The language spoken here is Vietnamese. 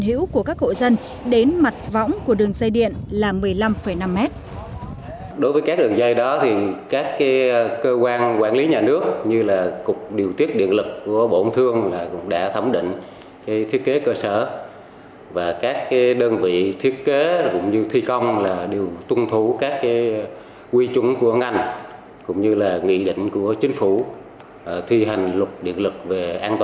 hữu của các hộ dân đến mặt võng của đường dây điện là một mươi năm năm m